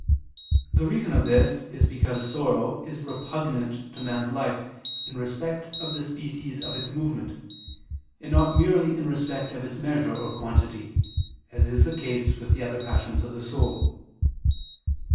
The reason of this is because sorrow is repugnant to man's life in respect of the species of its movement, and not merely in respect of its measure or quantity, as is the case with the other passions of the soul.